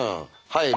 はい。